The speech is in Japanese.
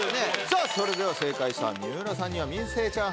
さぁそれでは正解した三浦さんには。